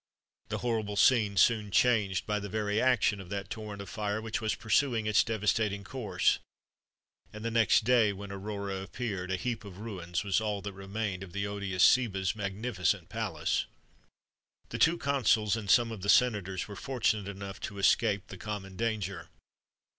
This horrible scene soon changed by the very action of that torrent of fire which was pursuing its devastating course; and the next day, when Aurora appeared, a heap of ruins was all that remained of the odious Seba's magnificent palace. The two consuls and some of the senators were fortunate enough to escape the common danger.